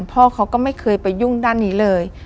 พ่อเขาก็ไม่เคยไปยุ่งด้านนี้เลย